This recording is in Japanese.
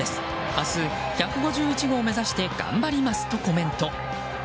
明日、１５１号目指して頑張りますとコメント。